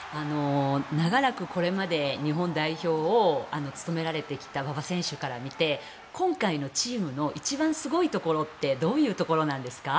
長らくこれまで日本代表を務められてきた馬場選手から見て今回のチームの一番すごいところってどういうところなんですか？